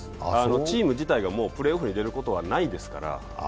チーム自体がもうプレーオフに出ることはないですから。